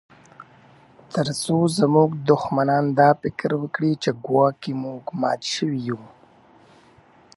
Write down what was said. ترڅو زموږ دښمنان دا فکر وکړي چې ګواکي موږ مات شوي یو